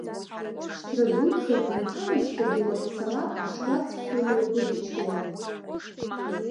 Ҽҭра дуӡӡак унҭалазшәагьы уахьцалак аҽуац фҩы наугәыдчылон.